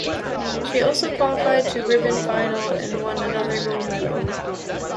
She also qualified to Ribbon final and won another gold medal.